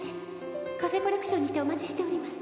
「カフェコレクションにてお待ちしております」